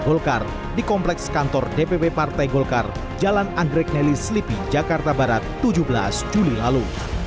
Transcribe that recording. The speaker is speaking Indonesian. golkar di kompleks kantor dpp partai golkar jalan anggrek neli slipi jakarta barat tujuh belas juli lalu